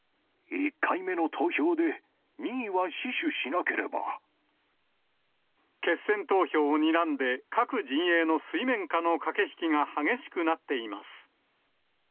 １回目の投票で２位は死守し決選投票をにらんで、各陣営の水面下の駆け引きが激しくなっています。